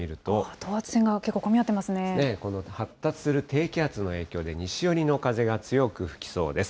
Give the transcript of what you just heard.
等圧線が結構混み合ってます発達する低気圧の影響で、西寄りの風が強く吹きそうです。